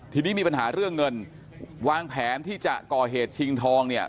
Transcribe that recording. ทีนี้มีปัญหาเรื่องเงินวางแผนที่จะก่อเหตุชิงทองเนี่ย